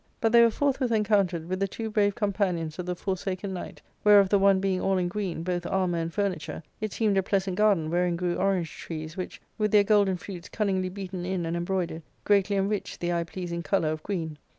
But they were forth with encountered with the two brave companions of the For saken Knight, whereof the one being all in green, both armour and furniture, it seemed a pleasant gardefi wherein grew orange trees, which, with their golden fruits cunningly beaten in and embroidered, greatly enriched the eye pleasing colour of green.